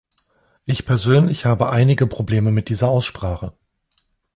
Ich persönlich habe einige Probleme mit dieser Aussprache.